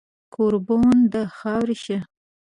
کوربون د خاورې شه